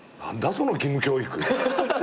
その義務教育。